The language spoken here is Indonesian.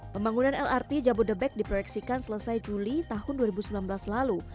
pembangunan lrt jabodebek diproyeksikan selesai juli tahun dua ribu sembilan belas lalu